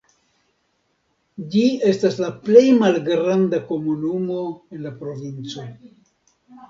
Ĝi estas la plej malgranda komunumo en la provinco.